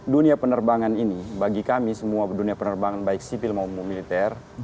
dunia penerbangan ini bagi kami semua dunia penerbangan baik sipil maupun militer